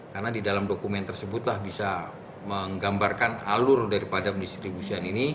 karena di dalam dokumen tersebutlah bisa menggambarkan alur daripada pendistribusian ini